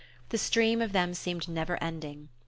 The stream of them seemed never ending.